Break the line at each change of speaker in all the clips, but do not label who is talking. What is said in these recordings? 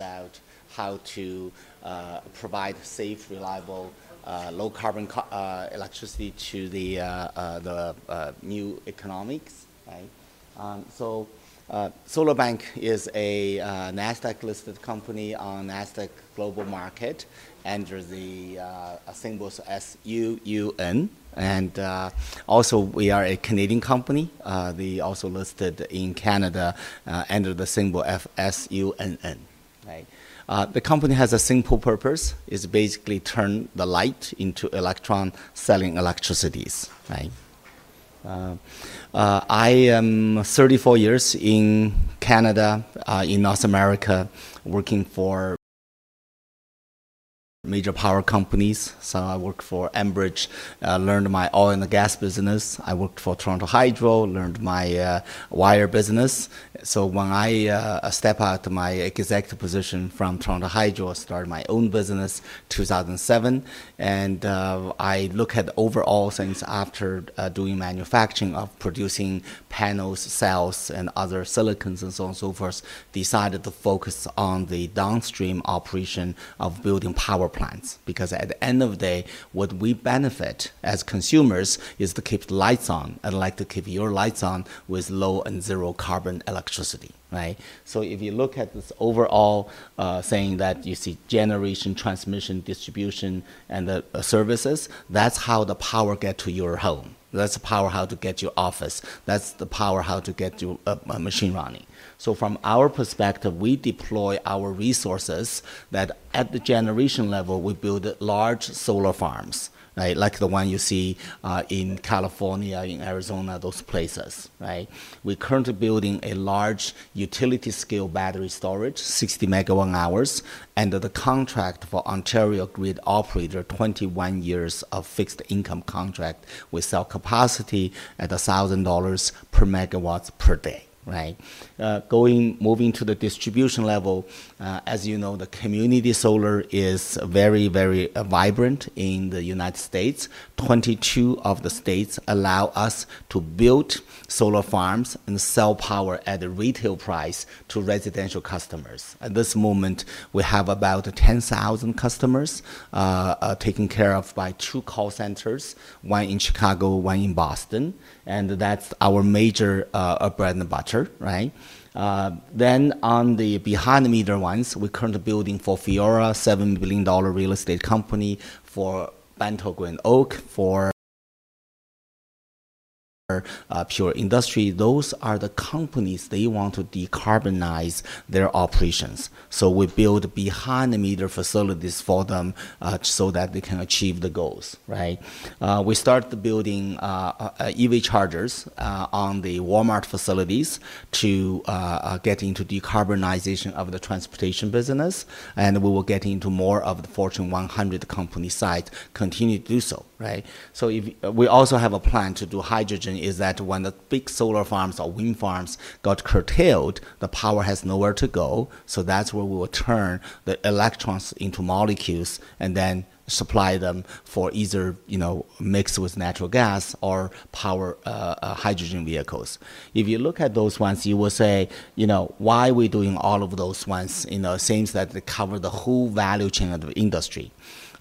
About how to provide safe, reliable, low-carbon electricity to the new economics, right? SolarBank is a Nasdaq-listed company on Nasdaq Global Market under the symbol S-U-U-N. And also we are a Canadian company. We also listed in Canada under the symbol S-U-N-N, right? The company has a simple purpose: it's basically to turn the light into electron-selling electricities, right? I am 34 years in Canada, in North America, working for major power companies. So I worked for Enbridge, learned my oil and gas business. I worked for Toronto Hydro, learned my wire business. So when I step out of my executive position from Toronto Hydro, I started my own business in 2007. And I look at overall things after doing manufacturing of producing panels, cells, and other silicons, and so on and so forth, decided to focus on the downstream operation of building power plants. Because at the end of the day, what we benefit as consumers is to keep the lights on. I'd like to keep your lights on with low and zero-carbon electricity, right? So if you look at this overall, saying that you see generation, transmission, distribution, and the services, that's how the power gets to your home. That's the power how to get to your office. That's the power how to get to, machine running. So from our perspective, we deploy our resources that at the generation level, we build large solar farms, right? Like the one you see, in California, in Arizona, those places, right? We're currently building a large utility-scale battery storage, 60 megawatt-hours, under the contract for Ontario Grid Operator, 21 years of fixed-income contract. We sell capacity at $1,000 per megawatt per day, right? Going, moving to the distribution level, as you know, the community solar is very, very vibrant in the United States. 22 of the states allow us to build solar farms and sell power at a retail price to residential customers. At this moment, we have about 10,000 customers, taken care of by two call centers, one in Chicago, one in Boston. And that's our major, bread and butter, right? Then on the behind-the-meter ones, we're currently building for Fiera, a $7 billion real estate company, for BentallGreenOak, for Pure Industrial. Those are the companies they want to decarbonize their operations. So we build behind-the-meter facilities for them, so that they can achieve the goals, right? We started building EV chargers on the Walmart facilities to get into decarbonization of the transportation business. We will get into more of the Fortune 100 company site, continue to do so, right? If we also have a plan to do hydrogen, is that when the big solar farms or wind farms got curtailed, the power has nowhere to go. That's where we will turn the electrons into molecules and then supply them for either, you know, mixed with natural gas or power, hydrogen vehicles. If you look at those ones, you will say, you know, why are we doing all of those ones, you know, since that they cover the whole value chain of the industry?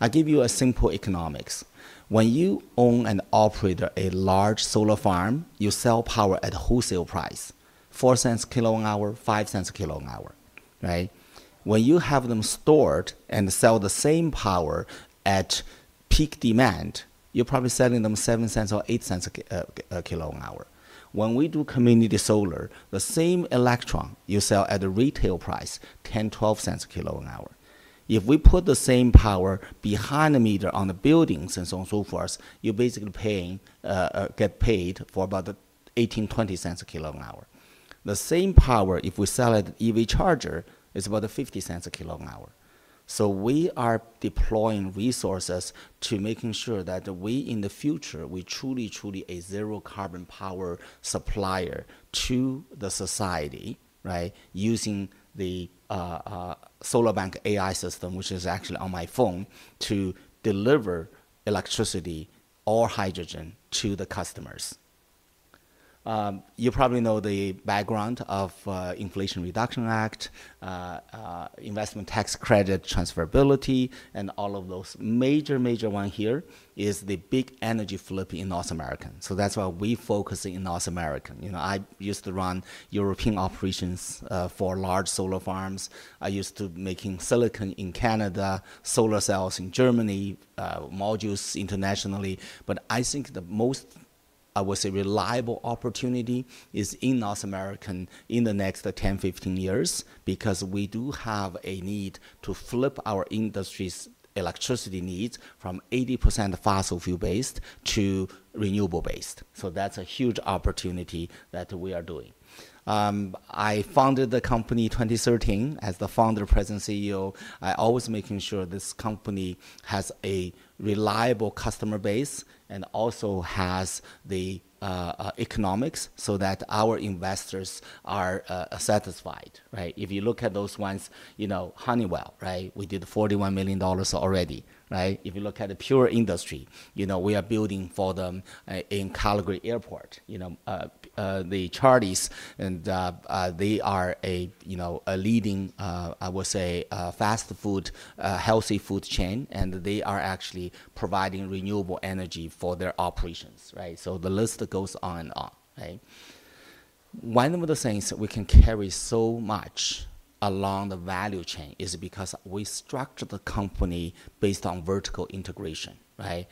I'll give you a simple economics. When you own and operate a large solar farm, you sell power at a wholesale price: $0.04/kilowatt-hour, $0.05/kilowatt-hour, right? When you have them stored and sell the same power at peak demand, you're probably selling them $0.07 or $0.08 a kilowatt-hour. When we do community solar, the same electron you sell at a retail price, $0.10, $0.12 cents kilowatt-hour. If we put the same power behind the meter on the buildings and so on and so forth, you're basically paying, get paid for about $0.18, $0.20 a kilowatt-hour. The same power, if we sell it at EV charger, is about $0.50 a kilowatt-hour. So we are deploying resources to making sure that we, in the future, we truly, truly a zero-carbon power supplier to the society, right, using the, SolarBank AI system, which is actually on my phone, to deliver electricity or hydrogen to the customers. You probably know the background of the Inflation Reduction Act, investment tax credit transferability, and all of those major, major ones. Here is the big energy flip in North America. So that's why we focus in North America. You know, I used to run European operations for large solar farms. I used to be making silicon in Canada, solar cells in Germany, modules internationally. But I think the most, I would say, reliable opportunity is in North America in the next 10, 15 years, because we do have a need to flip our industry's electricity needs from 80% fossil fuel-based to renewable-based. So that's a huge opportunity that we are doing. I founded the company in 2013 as the founder and present CEO. I always make sure this company has a reliable customer base and also has the economics so that our investors are satisfied, right? If you look at those ones, you know, Honeywell, right, we did $41 million already, right? If you look at the Pure Industrial, you know, we are building for them in Calgary Airport, you know, the Charlies, and they are a, you know, a leading, I would say, fast food, healthy food chain, and they are actually providing renewable energy for their operations, right? So the list goes on and on, right? One of the things that we can carry so much along the value chain is because we structure the company based on vertical integration, right?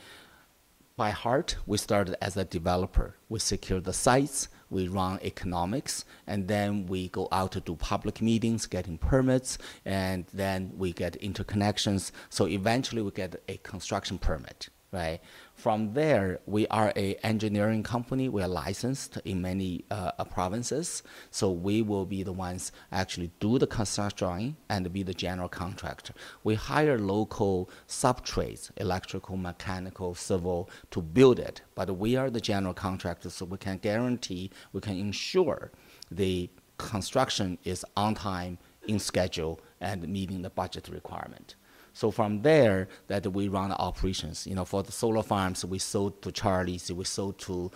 By heart, we started as a developer. We secure the sites, we run economics, and then we go out to do public meetings, getting permits, and then we get interconnections. So eventually, we get a construction permit, right? From there, we are an engineering company. We are licensed in many provinces. So we will be the ones actually do the construction and be the general contractor. We hire local subtrades, electrical, mechanical, civil, to build it. But we are the general contractor, so we can guarantee, we can ensure the construction is on time, on schedule, and meeting the budget requirement. So from there, that we run operations. You know, for the solar farms, we sold to Charlies, we sold to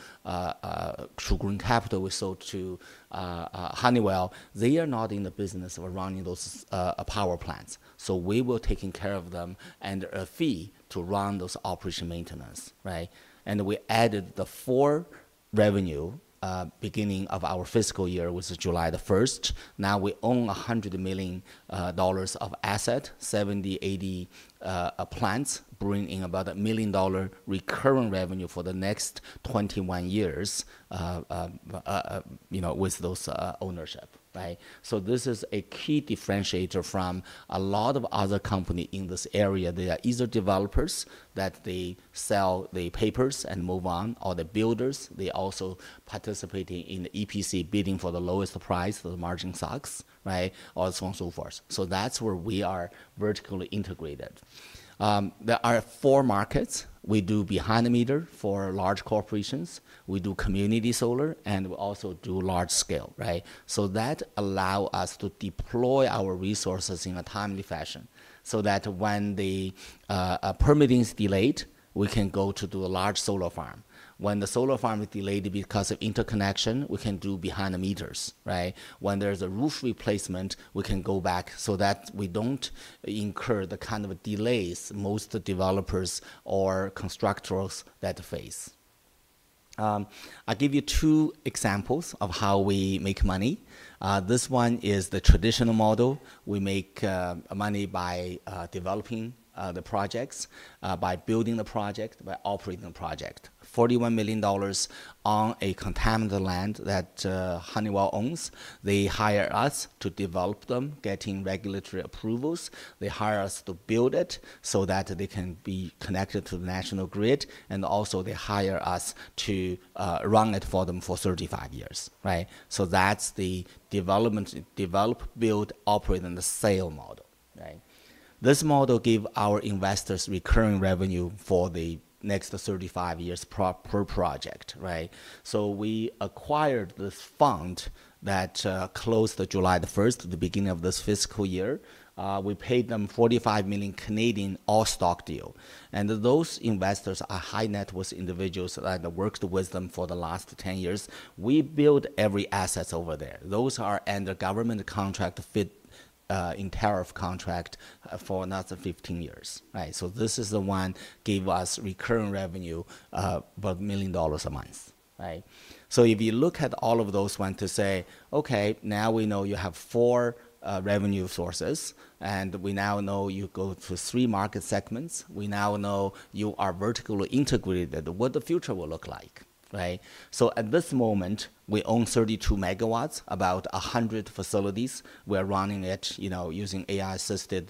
True Green Capital, we sold to Honeywell. They are not in the business of running those power plants. So we were taking care of them for a fee to run those operation maintenance, right? And we added the O&M revenue beginning of our fiscal year, which is July the 1st. Now we own $100 million of asset, 70-80 plants, bringing about $1 million recurring revenue for the next 21 years, you know, with those ownership, right? So this is a key differentiator from a lot of other companies in this area. They are either developers that they sell the papers and move on, or the builders. They also participate in the EPC bidding for the lowest price, the margin sucks, right? Or so on and so forth. So that's where we are vertically integrated. There are four markets. We do behind-the-meter for large corporations. We do community solar, and we also do large scale, right? So that allows us to deploy our resources in a timely fashion so that when the, permitting is delayed, we can go to do a large solar farm. When the solar farm is delayed because of interconnection, we can do behind-the-meters, right? When there's a roof replacement, we can go back so that we don't incur the kind of delays most developers or constructors that face. I'll give you two examples of how we make money. This one is the traditional model. We make money by developing the projects, by building the project, by operating the project. $41 million on a contaminated land that Honeywell owns. They hire us to develop them, getting regulatory approvals. They hire us to build it so that they can be connected to the national grid. And also, they hire us to run it for them for 35 years, right? So that's the development, build, operate, and the sale model, right? This model gives our investors recurring revenue for the next 35 years per project, right? So we acquired this fund that closed July the 1st, the beginning of this fiscal year. We paid them 45 million all-stock deal. And those investors are high-net-worth individuals that worked with them for the last 10 years. We built every asset over there. Those are under government contract, FIT in-tariff contract for another 15 years, right? So this is the one that gave us recurring revenue, about 1 million dollars a month, right? So if you look at all of those ones to say, "Okay, now we know you have four revenue sources, and we now know you go to three market segments. We now know you are vertically integrated. What the future will look like," right? So at this moment, we own 32 megawatts, about 100 facilities. We are running it, you know, using AI-assisted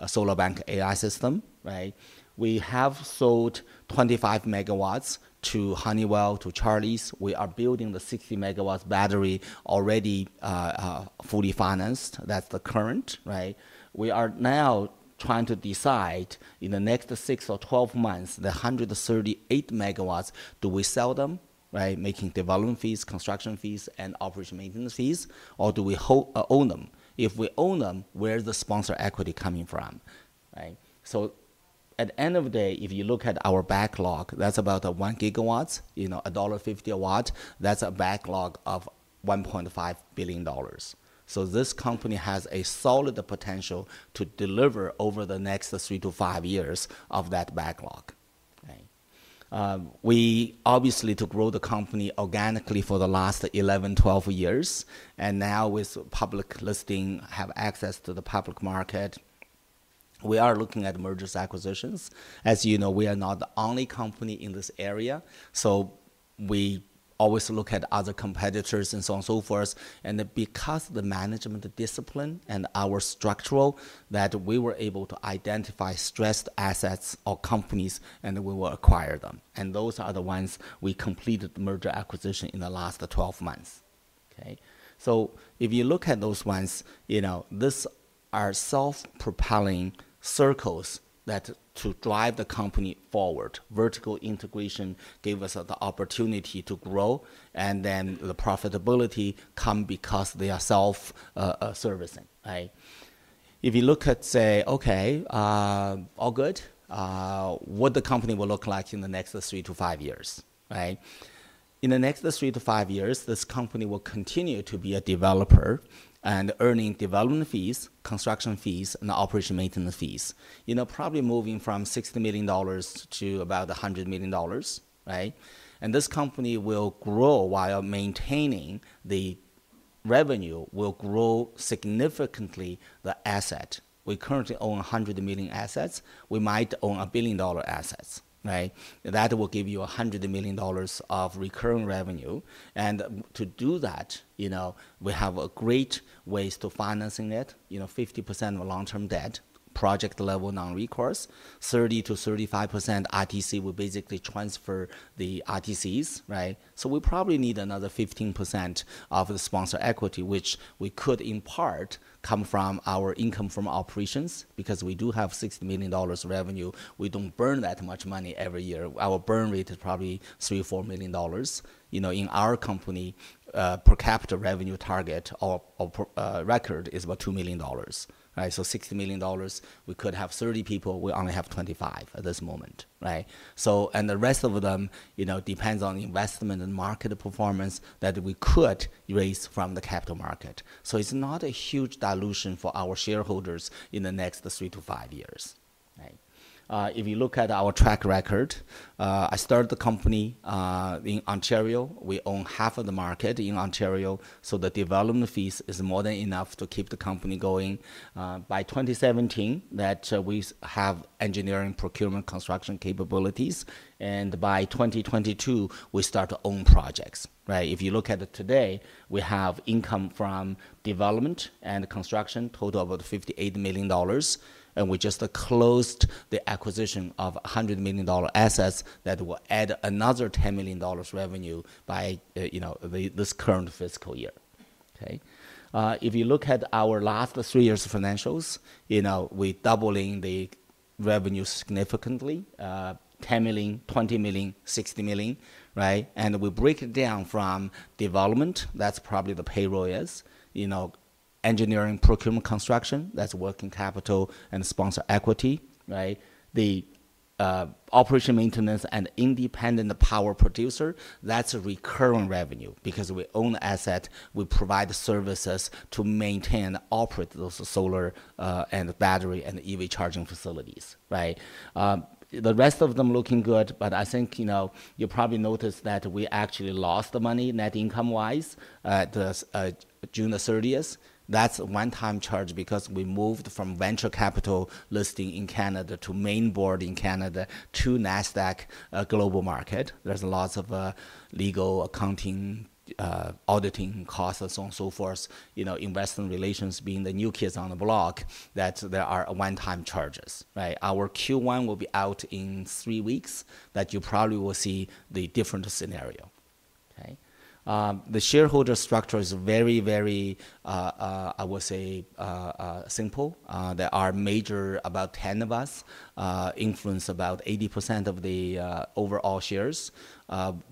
SolarBank AI system, right? We have sold 25 megawatts to Honeywell, to Charlies. We are building the 60-megawatt battery already, fully financed. That's the current, right? We are now trying to decide in the next 6 or 12 months, the 138 megawatts, do we sell them, right, making development fees, construction fees, and operations and maintenance fees, or do we hold, own them? If we own them, where's the sponsor equity coming from, right? So at the end of the day, if you look at our backlog, that's about 1 gigawatt, you know, $1.50 a watt. That's a backlog of $1.5 billion. So this company has a solid potential to deliver over the next 3 to 5 years of that backlog, right? We obviously took the role of the company organically for the last 11, 12 years. And now with public listing, we have access to the public market. We are looking at mergers and acquisitions. As you know, we are not the only company in this area. So we always look at other competitors and so on and so forth. And because of the management discipline and our structural, that we were able to identify stressed assets or companies, and we will acquire them. And those are the ones we completed the merger acquisition in the last 12 months, okay? So if you look at those ones, you know, these are self-propelling circles that drive the company forward. Vertical integration gave us the opportunity to grow, and then the profitability comes because they are self-servicing, right? If you look at, say, okay, all good, what the company will look like in the next three to five years, right? In the next three to five years, this company will continue to be a developer and earning development fees, construction fees, and operation and maintenance fees, you know, probably moving from $60 million to about $100 million, right? This company will grow while maintaining the revenue, will grow significantly the asset. We currently own $100 million assets. We might own a billion-dollar assets, right? That will give you $100 million of recurring revenue. To do that, you know, we have great ways to finance it, you know, 50% of long-term debt, project-level non-recourse, 30%-35% ITC. We basically transfer the ITCs, right? So we probably need another 15% of the sponsor equity, which we could in part come from our income from operations, because we do have $60 million revenue. We don't burn that much money every year. Our burn rate is probably $3-$4 million, you know, in our company, per capita revenue target or record is about $2 million, right? So $60 million, we could have 30 people. We only have 25 at this moment, right? So, and the rest of them, you know, depends on investment and market performance that we could raise from the capital market. So it's not a huge dilution for our shareholders in the next 3-5 years, right? If you look at our track record, I started the company in Ontario. We own half of the market in Ontario. So the development fees are more than enough to keep the company going. By 2017, that we have engineering, procurement, construction capabilities. And by 2022, we start to own projects, right? If you look at it today, we have income from development and construction total about $58 million. And we just closed the acquisition of $100 million assets that will add another $10 million revenue by, you know, this current fiscal year, okay? If you look at our last three years of financials, you know, we doubled the revenue significantly, $10 million, $20 million, $60 million, right? We break it down from development. That's probably the payroll, you know, engineering, procurement, construction, that's working capital, and sponsor equity, right? The operation maintenance and independent power producer, that's a recurring revenue because we own asset. We provide services to maintain and operate those solar, and battery and EV charging facilities, right? The rest of them looking good, but I think, you know, you probably noticed that we actually lost the money net income-wise, the June 30th. That's a one-time charge because we moved from venture capital listing in Canada to mainboard in Canada to NASDAQ, global market. There's lots of legal accounting, auditing costs and so on and so forth, you know, investment relations being the new kids on the block that there are one-time charges, right? Our Q1 will be out in three weeks that you probably will see the different scenario, okay? The shareholder structure is very, very, I would say, simple. There are major about 10 of us influence about 80% of the overall shares.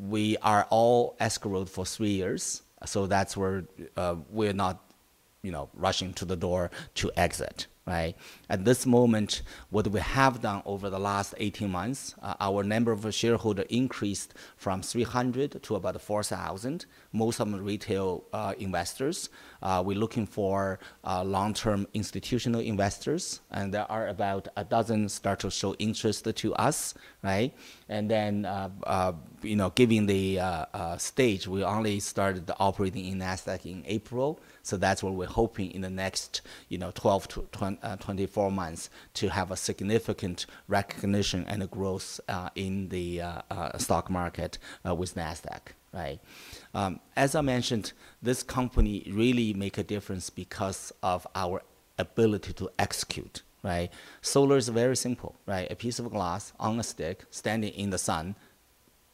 We are all escrowed for three years. So that's where we're not, you know, rushing to the door to exit, right? At this moment, what we have done over the last 18 months, our number of shareholders increased from 300 to about 4,000. Most of them are retail investors. We're looking for long-term institutional investors, and there are about a dozen start to show interest to us, right? And then, you know, given the stage, we only started operating in Nasdaq in April. So that's what we're hoping in the next, you know, 12 to 24 months to have a significant recognition and a growth in the stock market with Nasdaq, right? As I mentioned, this company really makes a difference because of our ability to execute, right? Solar is very simple, right? A piece of glass on a stick standing in the sun,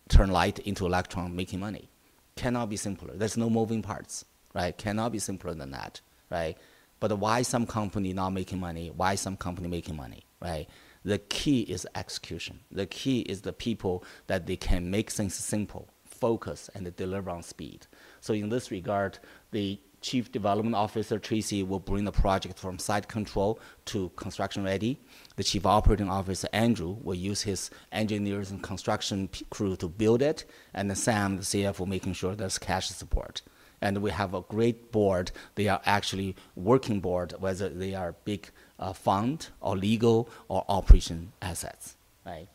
turn light into electron, making money cannot be simpler. There's no moving parts, right? Cannot be simpler than that, right? But why some company not making money? Why some company making money, right? The key is execution. The key is the people that they can make things simple, focus, and deliver on speed. So in this regard, the Chief Development Officer, Tracy, will bring the project from site control to construction ready. The Chief Operating Officer, Andrew, will use his engineers and construction crew to build it. And Sam, the CFO, will make sure there's cash support. And we have a great board. They are actually working board, whether they are big, fund or legal or operation assets, right?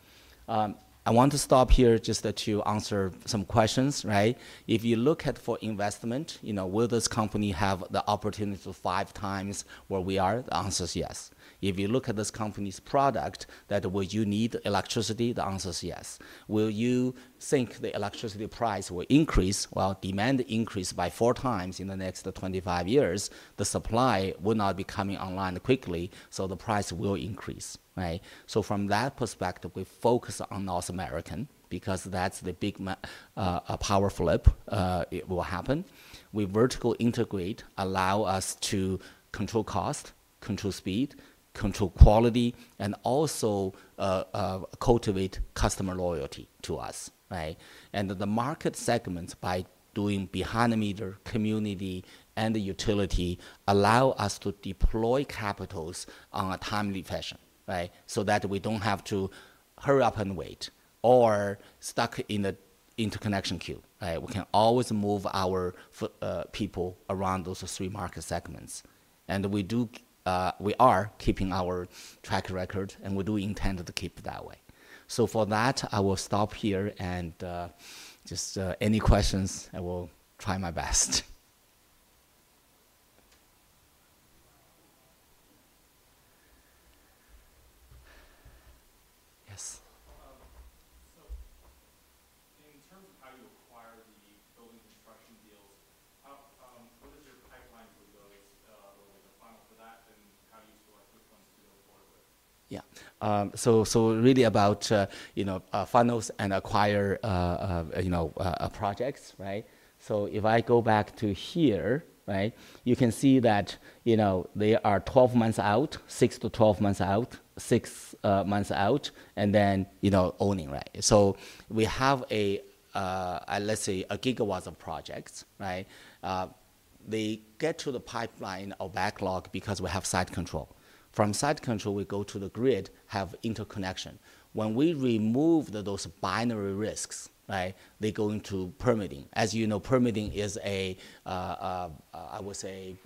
I want to stop here just to answer some questions, right? If you look at for investment, you know, will this company have the opportunity to five times where we are? The answer is yes. If you look at this company's product, that will you need electricity? The answer is yes. Will you think the electricity price will increase while demand increase by four times in the next 25 years? The supply will not be coming online quickly, so the price will increase, right? So from that perspective, we focus on North America because that's the big, power flip, will happen. We vertical integrate allow us to control cost, control speed, control quality, and also, cultivate customer loyalty to us, right? And the market segments by doing behind-the-meter community and the utility allow us to deploy capitals on a timely fashion, right? So that we don't have to hurry up and wait or stuck in the interconnection queue, right? We can always move our, people around those three market segments. And we do, we are keeping our track record, and we do intend to keep it that way. So for that, I will stop here and, just, any questions, I will try my best. Yes. So in terms of how you acquire the building construction deals, how, what is your pipeline for those, or the final for that, and how do you select which ones to go forward with? Yeah. So really about, you know, financing and acquiring, you know, projects, right? So if I go back to here, right, you can see that, you know, they are 12 months out, 6-12 months out, 6 months out, and then, you know, online, right? So we have a, let's say a gigawatt of projects, right? They get to the pipeline or backlog because we have site control. From site control, we go to the grid, have interconnection. When we remove those binary risks, right, they go into permitting. As you know, permitting is a, I would say,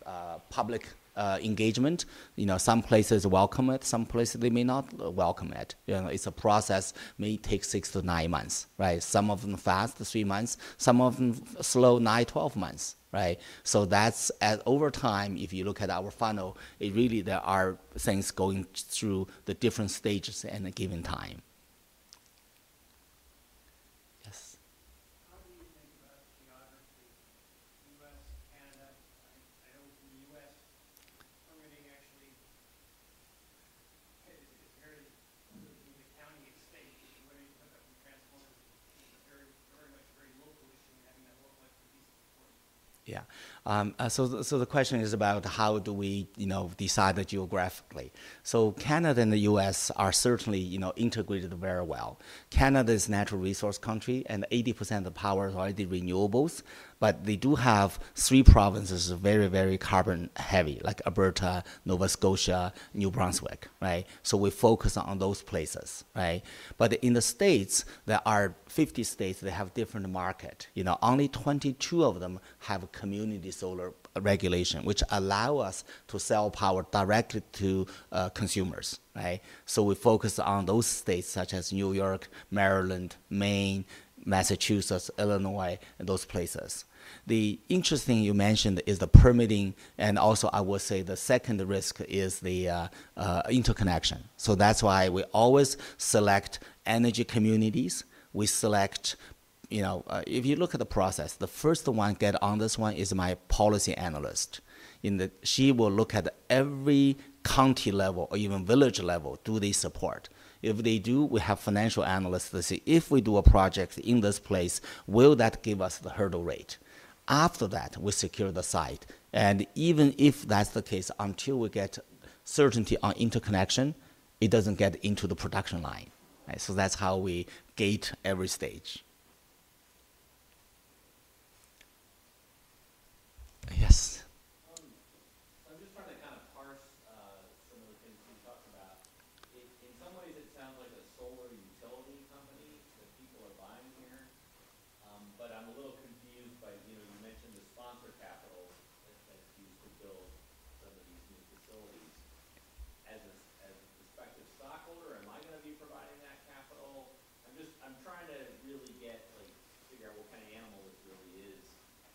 public engagement. You know, some places welcome it, some places they may not welcome it. You know, it's a process may take 6-9 months, right? Some of them fast, 3 months, some of them slow, 9-12 months, right? So that's over time, if you look at our final, it really there are things going through the different stages at a given time. Yes. How do you think about geography? U.S., Canada, I know in the U.S. permitting actually is very in the county and state. Where do you pick up from transport? Very much very locally so you're having that work like the piece of the port. Yeah. So the question is about how do we, you know, decide that geographically? So Canada and the U.S. are certainly, you know, integrated very well. Canada is a natural resource country and 80% of power is already renewables, but they do have three provinces very, very carbon heavy, like Alberta, Nova Scotia, New Brunswick, right? So we focus on those places, right? But in the states, there are 50 states. They have different market, you know. Only 22 of them have a community solar regulation, which allow us to sell power directly to consumers, right? So we focus on those states such as New York, Maryland, Maine, Massachusetts, Illinois, and those places. The interesting you mentioned is the permitting and also I will say the second risk is the interconnection. So that's why we always select energy communities. We select, you know, if you look at the process, the first one get on this one is my policy analyst. In the, she will look at every county level or even village level. Do they support? If they do, we have financial analysts to see if we do a project in this place, will that give us the hurdle rate? After that, we secure the site. And even if that's the case, until we get certainty on interconnection, it doesn't get into the production line, right? So that's how we gate every stage. Yes. I'm just trying to kind of parse some of the things you talked about. In some ways, it sounds like a solar utility company that people are buying here. But I'm a little confused by, you know, you mentioned the sponsor capital that's used to build some of these new facilities. As a prospective stockholder, am I gonna be providing that capital? I'm just trying to really get like figure out what kind of animal this really is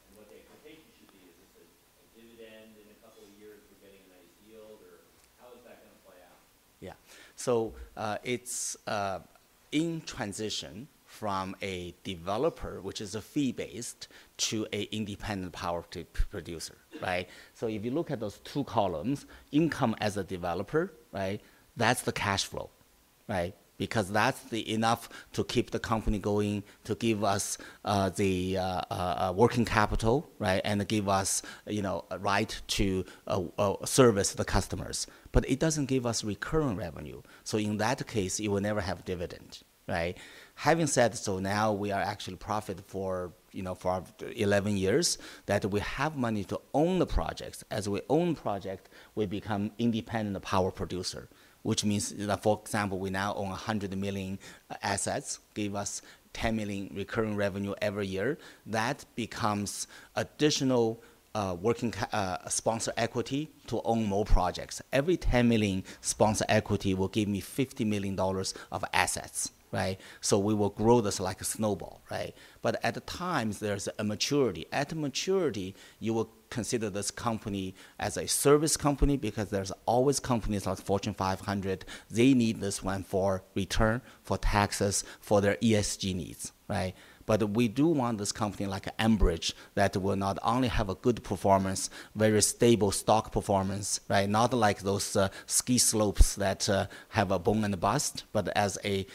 and what the expectation should be. Is this a dividend in a couple of years? We're getting a nice yield or how is that gonna play out? Yeah. So, it's in transition from a developer, which is a fee-based, to an independent power producer, right? So if you look at those two columns, income as a developer, right, that's the cash flow, right? Because that's enough to keep the company going, to give us the working capital, right? And give us, you know, the right to service the customers. But it doesn't give us recurrent revenue. So in that case, you will never have dividend, right? Having said so, now we are actually profitable for, you know, for 11 years that we have money to own the projects. As we own the project, we become an independent power producer, which means, you know, for example, we now own $100 million assets, give us $10 million recurring revenue every year. That becomes additional working sponsor equity to own more projects. Every $10 million sponsor equity will give me $50 million of assets, right? So we will grow this like a snowball, right? But at times, there's a maturity. At maturity, you will consider this company as a service company because there's always companies like Fortune 500. They need this one for return, for taxes, for their ESG needs, right? But we do want this company like a Highbridge that will not only have a good performance, very stable stock performance, right? Not like those ski slopes that have a boom and a bust, but as a,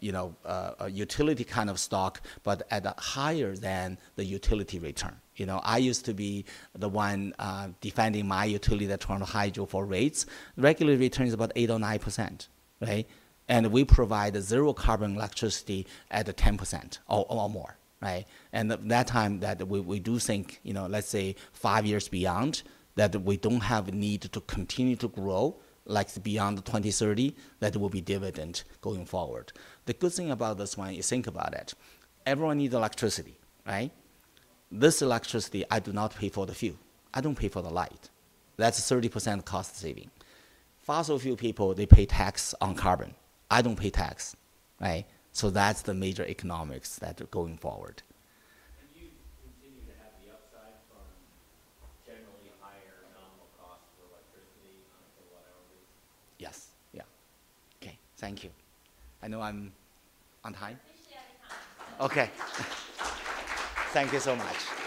you know, a utility kind of stock, but at a higher than the utility return. You know, I used to be the one defending my utility, Toronto Hydro, for rates. Regular return is about 8% or 9%, right? And we provide a zero carbon electricity at 10% or more, right? And at that time that we do think, you know, let's say five years beyond that we don't have a need to continue to grow like beyond 2030, that will be dividend going forward. The good thing about this one, you think about it, everyone needs electricity, right? This electricity, I do not pay for the fuel. I don't pay for the light. That's 30% cost saving. Fossil fuel people, they pay tax on carbon. I don't pay tax, right? So that's the major economics that are going forward.
Can you continue to have the upside from generally higher nominal cost for electricity on a kilowatt hour lease?
Yes. Yeah. Okay. Thank you. I know I'm on time. Officially out of time. Okay. Thank you so much.